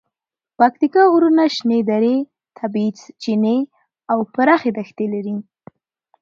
پکتیکا غرونه، شنې درې، طبیعي چینې او پراخې دښتې لري.